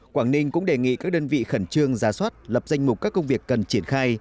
quảng ninh cũng đề nghị các đơn vị khẩn trương ra soát lập danh mục các công việc cần triển khai